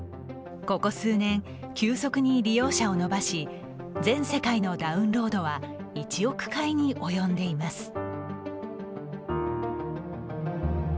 ここ数年、急速に利用者をのばし全世界のダウンロードは１億回に及んでいます。